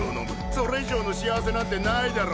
それ以上の幸せなんてないだろ。